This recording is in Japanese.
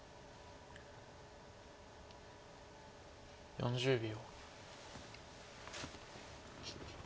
４０秒。